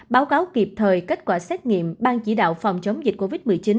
báo cáo kịp thời kết quả xét nghiệm ban chỉ đạo phòng chống dịch covid một mươi chín